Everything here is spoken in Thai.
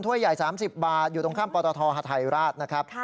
ถ้วยใหญ่๓๐บาทอยู่ตรงข้ามปธฮัทยราชนะครับ